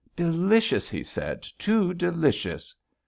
"Delicious," he said. "Too delicious!"